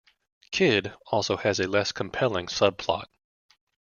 "Kid" also has a less compelling subplot.